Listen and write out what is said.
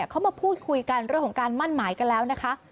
เขามาพูดคุยกันเรื่องของการมั่นหมายกันแล้วนะคะ